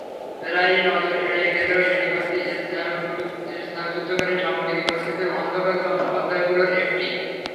প্রায়ই নজর এড়িয়ে গেলেও এটি হচ্ছে স্নায়ুযুুদ্ধকালীন সামগ্রিক পরিস্থিতির অন্ধকারতম অধ্যায়গুলোর একটি।